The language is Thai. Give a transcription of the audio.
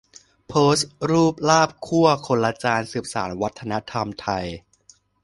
โพสต์รูปลาบคั่วคนละจานสืบสานวัฒนธรรมไทย